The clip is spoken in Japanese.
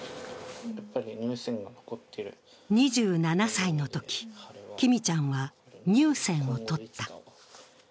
２７歳のとき、きみちゃんは乳腺を取った。